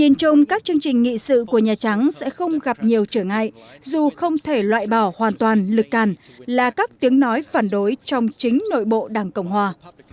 nhìn chung các chương trình nghị sự của nhà trắng sẽ không gặp nhiều trở ngại dù không thể loại bỏ hoàn toàn lực càn là các tiếng nói phản đối trong chính nội bộ đảng cộng hòa